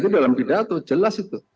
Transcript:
dalam pidato jelas itu